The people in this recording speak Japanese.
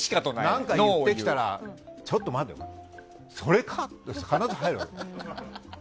何か言ってきたらちょっと待てそれか？